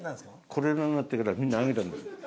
コロナになってからみんな上げたんです。